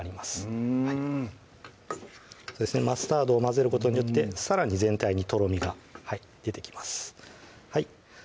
うんマスタードを混ぜることによってさらに全体にとろみが出てきます